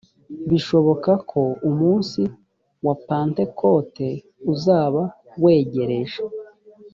bishoboka ko umunsi wa pentekote uzaba wegereje